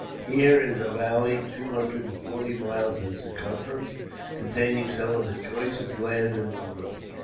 Here is a valley two hundred and forty miles in circumference, containing some of the choicest land in the world.